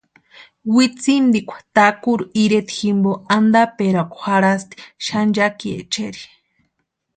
Witsintikwa Takuru ireta jimpo antaperakwa jarhasti xanchakiechari.